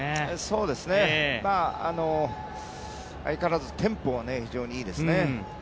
そうですね、相変わらずテンポは非常にいいですね。